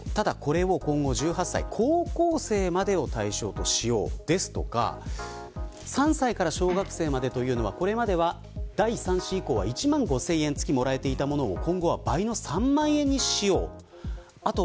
今後１８歳、高校生までを対象としよう、ですとか３歳から小学生までというのはこれまで第３子以降は１万５０００円を月にもらえていたものを今後は倍の３万円にしよう。